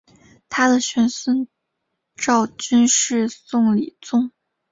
他的玄孙赵昀是宋理宗。